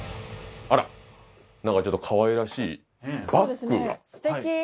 あら何かちょっとかわいらしいバッグが素敵！